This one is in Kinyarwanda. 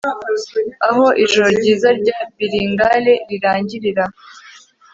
aho ijoro ryiza rya bilingale rirangirira